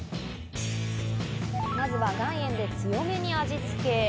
まずは岩塩で強めに味つけ。